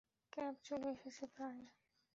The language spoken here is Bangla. ক্যাব চলে এসেছে প্রায়।